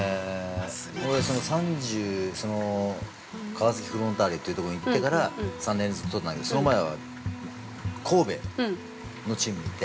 ◆俺、川崎フロンターレというところに行ってから３年連続で取ったんだけどその前は、神戸のチームにいて。